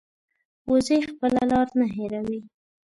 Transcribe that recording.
وزې خپله لار نه هېروي